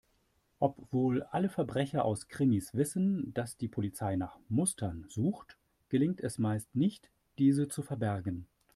Obwohl alle Verbrecher aus Krimis wissen, dass die Polizei nach Mustern sucht, gelingt es meist nicht, diese zu verbergen.